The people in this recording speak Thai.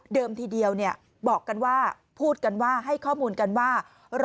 ทีเดียวบอกกันว่าพูดกันว่าให้ข้อมูลกันว่า